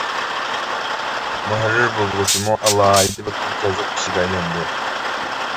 مۇھەررىر بولغۇچىمۇ ئالاھىدە بىر ئىمتىيازلىق كىشىگە ئايلىنىدۇ.